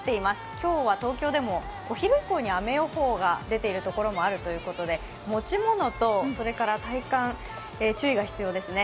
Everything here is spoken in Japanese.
今日は東京でもお昼以降に雨予報が出ているところもあるということで持ち物と体感、注意が必要ですね。